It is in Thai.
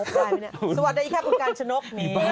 สวัสดีแค่คนกางชนก